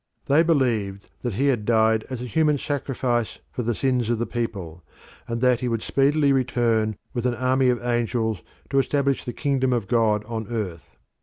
They believed that he had died as a human sacrifice for the sins of the people, and that he would speedily return with an army of angels to establish the kingdom of God on earth.